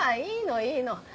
いいのいいの。